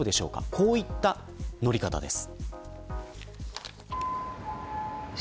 こういう乗り方です。